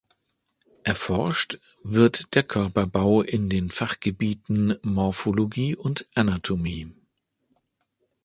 Erforscht wird der Körperbau in den Fachgebieten Morphologie und Anatomie.